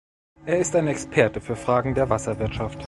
Er ist ein Experte für Fragen der Wasserwirtschaft.